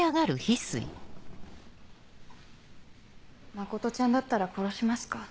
真ちゃんだったら殺しますか？